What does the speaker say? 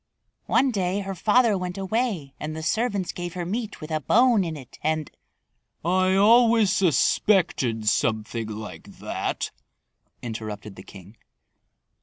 One day her father went away and the servants gave her meat with a bone in it and " "I always suspected something like that," interrupted the king.